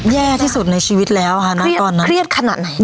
แย่ที่สุดในชีวิตแล้วค่ะณตอนนั้นเครียดขนาดไหน